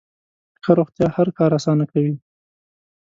ښه روغتیا هر کار اسانه کوي.